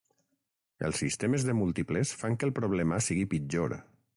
Els sistemes de múltiples fan que el problema sigui pitjor.